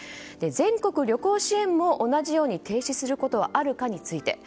全国旅行支援も同じように停止することはあるかについて。